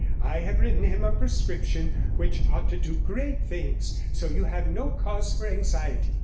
I have written him a prescription which ought to do great things. So you have no cause for anxiety.'